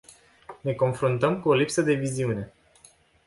Ne confruntăm cu o lipsă de viziune.